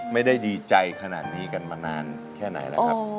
ไม่ได้ดีใจขนาดนี้กันมานานแค่ไหนแล้วครับ